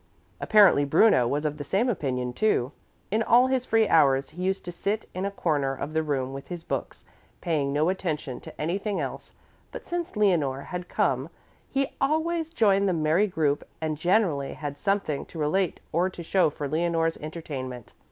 Apparently Bruno was of the same opinion, too. In all his free hours he used to sit in a corner of the room with his books, paying no attention to anything else, but since Leonore had come he always joined the merry group and generally had something to relate or to show for Leonore's entertainment.